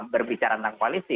berbicara tentang koalisi